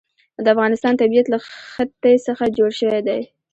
د افغانستان طبیعت له ښتې څخه جوړ شوی دی.